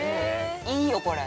◆いいよ、これ。